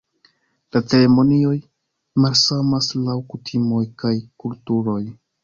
La ceremonioj malsamas laŭ kutimoj kaj kulturoj.